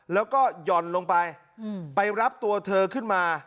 แล้วก็หย่อนลงไปไปรับตัวเธอขึ้นมา